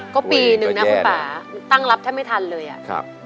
ก็ปีหนึ่งนะคุณป่าตั้งรับถ้าไม่ทันเลยอะ